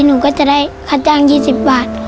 หนูก็จะได้ค่าจ้าง๒๐บาท